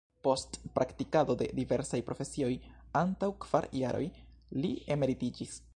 Post praktikado de diversaj profesioj, antaŭ kvar jaroj, li emeritiĝis.